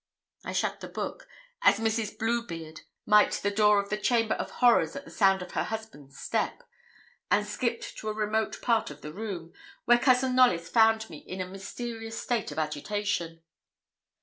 I shut the book, as Mrs. Bluebeard might the door of the chamber of horrors at the sound of her husband's step, and skipped to a remote part of the room, where Cousin Knollys found me in a mysterious state of agitation.